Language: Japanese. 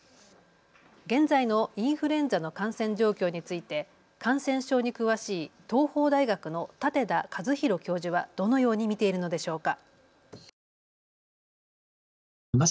現在のインフルエンザの感染状況について感染症に詳しい東邦大学の舘田一博教授はどのように見ているのでしょうか。